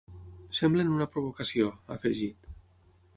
“Semblen una provocació”, ha afegit.